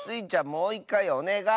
もういっかいおねがい！